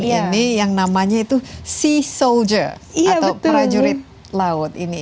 ini yang namanya itu sea soldier atau prajurit laut ini